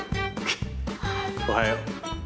おはよう。